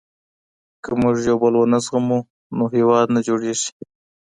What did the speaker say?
که موږ يو بل ونه زغمو نو هېواد نه جوړېږي.